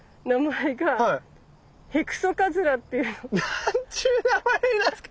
なんちゅう名前なんすか。